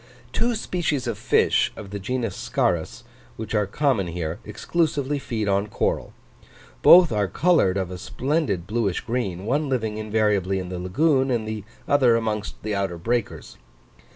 Two species of fish, of the genus Scarus, which are common here, exclusively feed on coral: both are coloured of a splendid bluish green, one living invariably in the lagoon, and the other amongst the outer breakers.